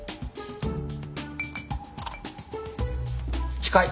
近い！